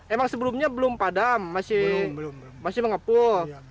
emang sebelumnya belum padam masih mengepul